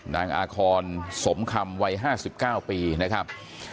นางอาคอนสมคำวัย๕๙ปีนะครับ